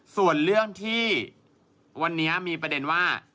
ส่วนเรื่องที่วันนี้มีประเด็นว่า